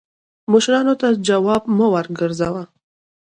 مشرانو ته جواب مه ګرځوه